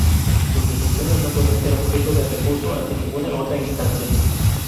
Sus decisiones no podían ser objeto de recurso ante ninguna otra instancia.